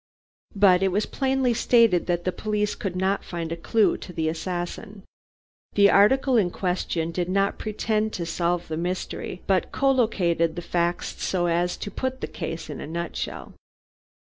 But it was plainly stated that the police could not find a clue to the assassin. The article in question did not pretend to solve the mystery, but collocated the facts so as to put the case in a nutshell.